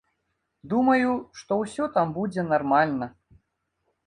Думаю, што ўсё там будзе нармальна.